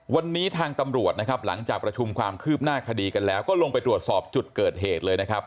วันนี้ทางตำรวจนะครับหลังจากประชุมความคืบหน้าคดีกันแล้วก็ลงไปตรวจสอบจุดเกิดเหตุเลยนะครับ